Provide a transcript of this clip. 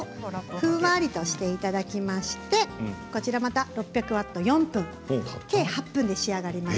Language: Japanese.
ふんわりしていただきましてこちらをまた６００ワットで４分合計８分で仕上がります。